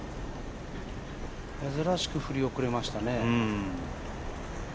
珍しく振り遅れましたね。